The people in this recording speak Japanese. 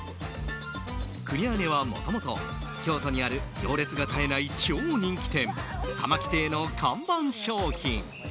クニャーネはもともと京都にある行列が絶えない超人気店たま木亭の看板商品。